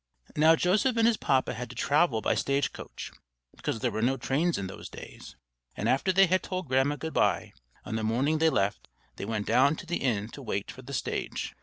Now Joseph and his papa had to travel by stage coach, because there were no trains in those days; and after they had told Grandma goodbye, on the morning they left, they went down to the inn to wait for the stage.